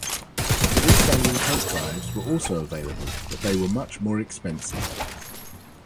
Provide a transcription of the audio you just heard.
Free-standing tape drives were also available, but they were much more expensive.